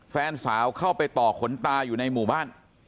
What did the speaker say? แฟนสาวเข้าไปต่อขนตาอยู่ในหมู่บ้าน